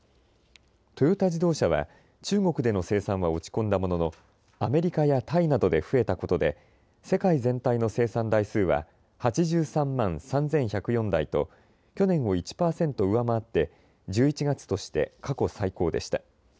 トヨタ自動車は中国での生産は落ち込んだもののアメリカやタイなどで増えたことで世界全体の生産台数は８３万３１０４台と去年を１％上回って１１月として過去最高でした。